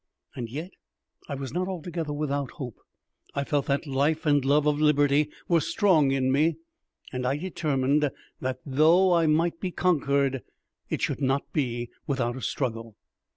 And yet I 'was not altogether without hope. I felt that life and love of liberty were strong in me, and I determined that, though I might be conquered, it should not be without a struggle.